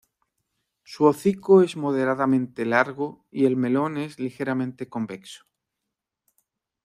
Su hocico es moderadamente largo, y el melón es ligeramente convexo.